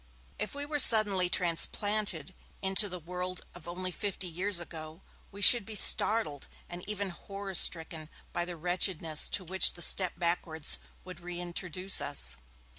If we were suddenly transplanted into the world of only fifty years ago, we should be startled and even horror stricken by the wretchedness to which the step backwards would reintroduce us.